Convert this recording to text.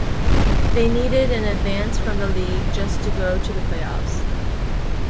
They needed an advance from the league just to go to the playoffs.